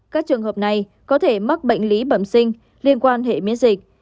các trường hợp này có thể mắc bệnh lý bẩm sinh liên quan hệ miễn dịch